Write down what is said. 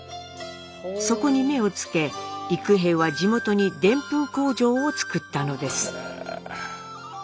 そこに目をつけ幾平は地元にでんぷん工場を造ったのです。